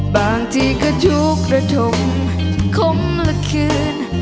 บางทีก็ถูกระด่มขมละคืน